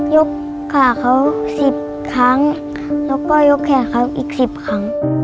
กขาเขา๑๐ครั้งแล้วก็ยกแขนเขาอีก๑๐ครั้ง